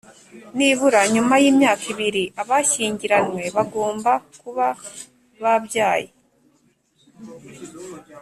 Nibura nyuma y’imyaka ibiri abashyingiranywe bagomba kuba babyaye